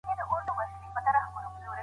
د تحقیق لپاره یو مناسب ځای وټاکئ.